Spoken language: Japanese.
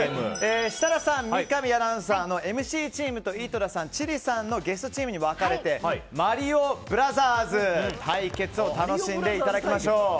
設楽さん、三上アナウンサーのＭＣチームと井戸田さん、千里子さんのゲストチームに分かれて「マリオブラザーズ」対決を楽しんでいただきましょう。